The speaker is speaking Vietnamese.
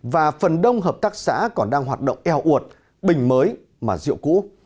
và phần đông hợp tác xã còn đang hoạt động eo uột bình mới mà rượu cũ